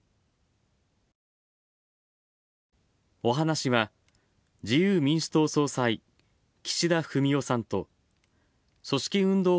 お話しは、自由民主党総裁岸田文雄さんと組織運動